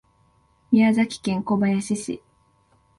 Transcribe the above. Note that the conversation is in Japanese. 宮崎県小林市